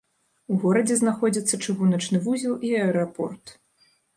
У горадзе знаходзяцца чыгуначны вузел і аэрапорт.